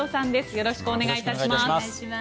よろしくお願いします。